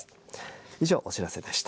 以上、お知らせでした。